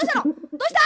どうした？